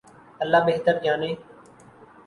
اللہ بہتر جانے۔